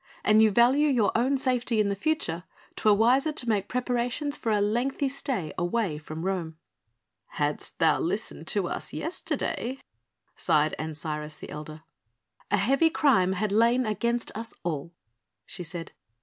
An you value your own safety in the future, 'twere wiser to make preparations for a lengthy stay away from Rome." "Hadst thou listened to us yesterday ..." sighed Ancyrus, the elder. "A heavy crime had lain against us all," she said.